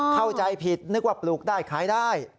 เข้าใจผิดนึกว่าปลูกได้ขายได้